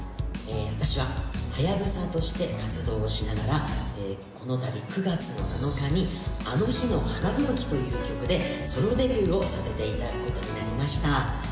私ははやぶさとして活動をしながらこの度９月の７日に「あの日の花吹雪」という曲でソロデビューをさせていただくことになりました